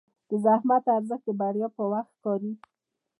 د زحمت ارزښت د بریا په وخت ښکاري.